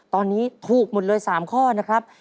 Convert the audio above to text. ตอนนี้ถูกหมดเลย๓ข้อนะครับ